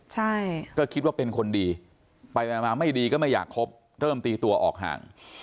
ใช่ก็คิดว่าเป็นคนดีไปมาไม่ดีก็ไม่อยากคบเริ่มตีตัวออกห่าง